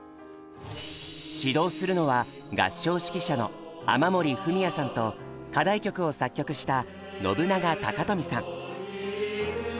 指導するのは合唱指揮者の雨森文也さんと課題曲を作曲した信長貴富さん。